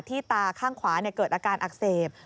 ตาข้างขวาเกิดอาการอักเสบ